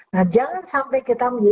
nah jangan sampai kita